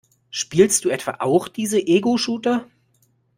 Spielst du etwa auch diese Egoshooter?